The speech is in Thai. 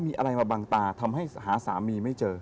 มีอะไรมาบังตาทำให้หาสามีไม่เจอ